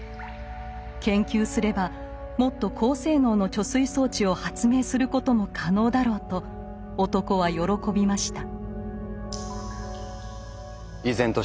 研究すればもっと高性能の貯水装置を発明することも可能だろうと男は喜びました。